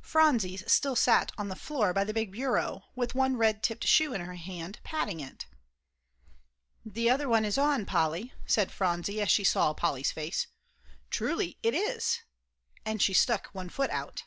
Phronsie still sat on the floor by the big bureau, with one red topped shoe in her hand, and patting it. "The other one is on, Polly," said Phronsie, as she saw Polly's face; "truly it is," and she stuck one foot out.